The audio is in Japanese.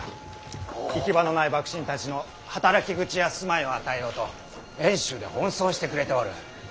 行き場のない幕臣たちの働き口や住まいを与えようと遠州で奔走してくれておる。